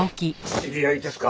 知り合いですか？